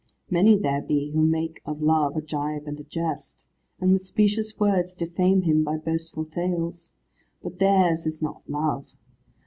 Many there be who make of Love a gibe and a jest, and with specious words defame him by boastful tales. But theirs is not love.